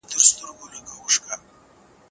ایا د افغانستان راتلونکی به روښانه وي؟